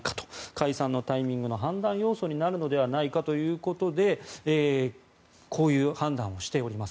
解散のタイミングの判断要素になるのではないかということでこういう判断をしております。